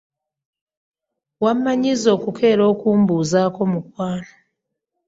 Wammanyiiza okukeera okumbuuzaako mukwano.